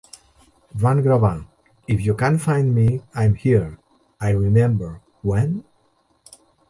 Van gravar "If You Can Find Me, I'm Here", "I Remember", "When?